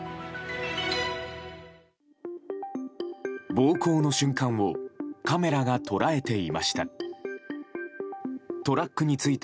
暴行の瞬間をカメラが捉えていました。